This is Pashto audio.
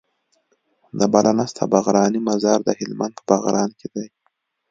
د بله نسته باغرانی مزار د هلمند په باغران کي دی